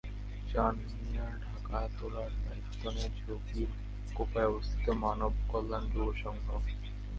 চান মিয়ার টাকা তোলার দায়িত্ব নেয় যোগীর কোফায় অবস্থিত মানব কল্যাণ যুব সংঘ।